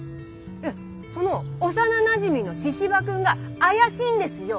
いやその幼なじみの神々くんが怪しいんですよ！